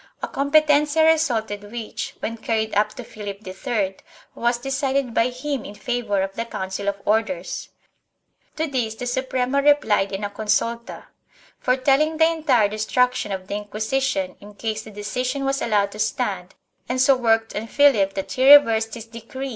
A competencia resulted which, when carried up to Philip III, was decided by him in favor of the Council of Orders. To this the Suprema replied in a consul ta, fortelling the entire destruction of the Inquisition in case the decision was allowed to stand and so worked on Philip that he reversed his decree and 1 Archive de Simancas, Inquisition, Lib.